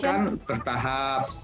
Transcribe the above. ya itu kan bertahap